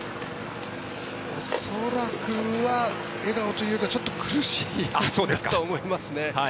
恐らくは笑顔というよりはちょっと苦しいとは思いますね。